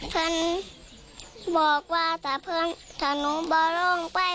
เพลินบอกว่าถ้าเพลินถ้านุ้งบล้องไป